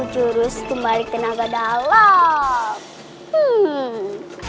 jurus jerman membalik tenaga dalam